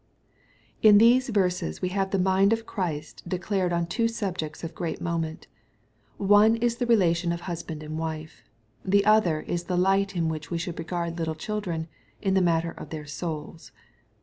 In these verses we have the mind of Christ declared on two subjects of great moment. One is the relation of husband and wife. The other is the Kght in which we should regard little children, in the matter of their souls.